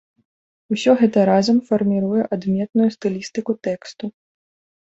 Усё гэта разам фарміруе адметную стылістыку тэксту.